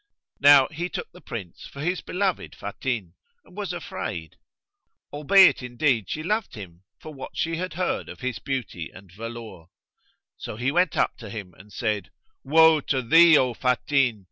Now he took the Prince for his beloved Fatin and was afraid; albeit indeed she loved him for what she had heard of his beauty and velour; so he went up to him and said, "Woe to thee,[FN#101] O Fatin!